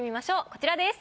こちらです。